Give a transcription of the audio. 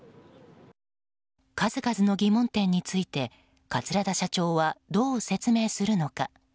数々の疑問点について桂田社長はどう説明するのか。